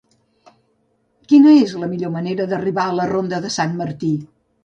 Quina és la millor manera d'arribar a la ronda de Sant Martí?